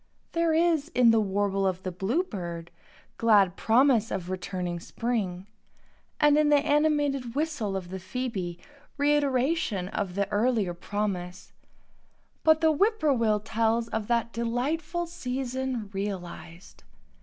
There is, in the warble of the bluebird, glad promise of returning spring; and in the animated whistle of the phoebe reiteration of the earlier promise; but the whippoorwill tells of that delightful season realized.